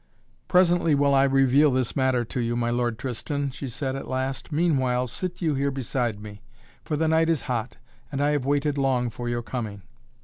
"Presently will I reveal this matter to you, my Lord Tristan," she said at last. "Meanwhile sit you here beside me for the night is hot, and I have waited long for your coming."